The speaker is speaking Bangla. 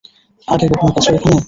আগে কখনো গেছ ওখানে?